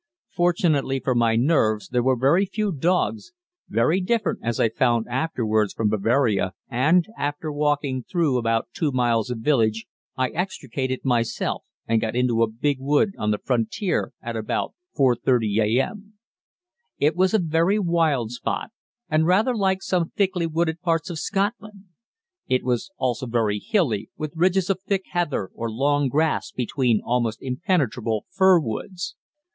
Fortunately for my nerves there were very few dogs (very different, as I found afterwards, from Bavaria), and after walking through about two miles of village I extricated myself and got into the big wood on the frontier at about 4.30 a.m. It was a very wild spot, and rather like some thickly wooded parts of Scotland. It was also very hilly, with ridges of thick heather or long grass between almost impenetrable fir woods.